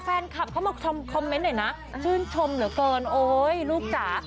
แฟนคลับเข้ามาชมคอมเมนต์หน่อยนะชื่นชมเหลือเกินโอ๊ยลูกจ๋า